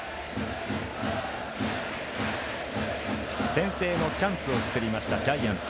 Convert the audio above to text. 先制のチャンスを作りましたジャイアンツ。